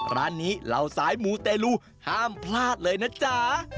ร้านนี้เหล่าสายมูเตลูห้ามพลาดเลยนะจ๊ะ